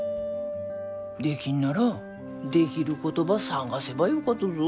できんならできることば探せばよかとぞ。